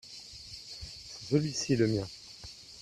c'est celui-ci le mien.